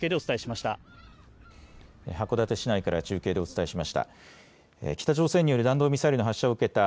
函館市内から中継でお伝えしました。